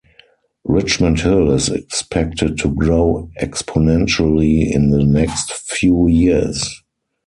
Richmond Hill is expected to grow exponentially in the next few years.